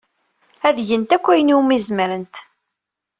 Ad gent akk ayen umi zemrent.